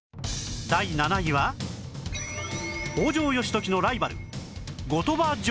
第７位は北条義時のライバル後鳥羽上皇